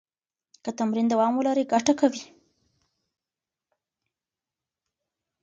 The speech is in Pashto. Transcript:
که تمرین دوام ولري، ګټه کوي.